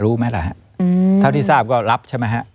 รู้ไหมล่ะฮะเท่าที่ทราบก็รับใช่ไหมฮะ